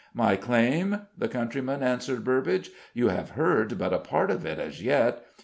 "My claim?" the countryman answered Burbage. "You have heard but a part of it as yet.